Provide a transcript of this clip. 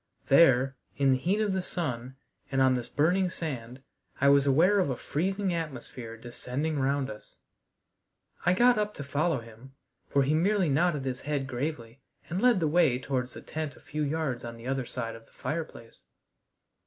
There, in the heat of the sun, and on this burning sand, I was aware of a freezing atmosphere descending round us. I got up to follow him, for he merely nodded his head gravely and led the way towards the tent a few yards on the other side of the fireplace.